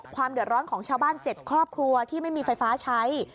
ความเดือดร้อนของชาวบ้าน๗ครอบครัวที่ไม่มีไฟฟ้าใช้